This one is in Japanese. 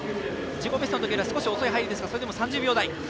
自己ベストのときより少し遅い入りですがそれでも３０秒台。